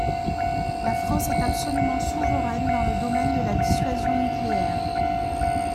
La France est absolument souveraine dans le domaine de la dissuasion nucléaire.